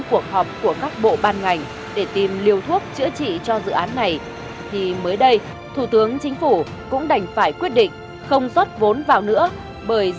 không trọng điểm